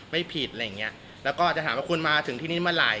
ไม่ผิดอะไรอย่างเงี้ยแล้วก็จะถามว่าคุณมาถึงที่นี่เมื่อไหร่